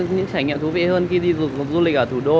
những trải nghiệm thú vị hơn khi đi du lịch ở thủ đô